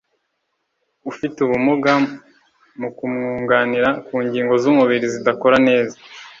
ufite ubumuga mu kumwunganira ku ngingo z'umubiri zidakora neza